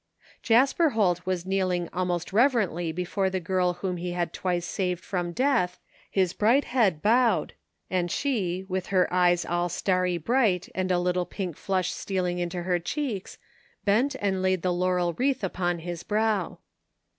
Jasper Holt was kneeling almost reverently before the girl whom he <had twice saved from death, his bright head bowed, and she, with her eyes all starry bright and a little pink flush stealing into her cheeks, bent and laid the laurel wreath upon his brow.